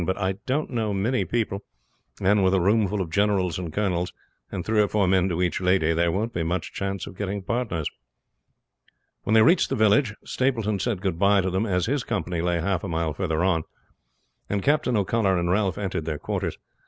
But I don't know many people, and with a room full of generals and colonels, and three or four men to each lady, there won't be much chance of getting partners." When they reached the village Stapleton said good by to them, as his company lay half a mile further on; and Captain O'Connor and Ralph entered their quarters.